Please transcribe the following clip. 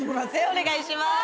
お願いします。